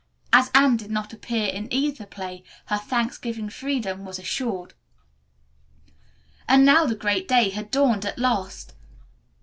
As Anne did not appear in either play, her Thanksgiving freedom was assured. And now the great day had dawned at last!